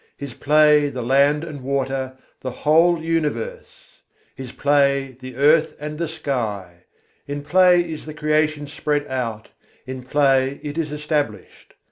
His play the land and water, the whole universe! His play the earth and the sky! In play is the Creation spread out, in play it is established.